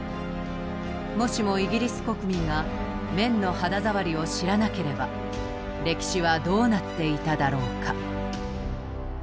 もしもイギリス国民が綿の肌触りを知らなければ歴史はどうなっていただろうか。